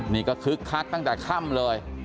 นี่ก็คึกคักตั้งแต่ค่ำเลย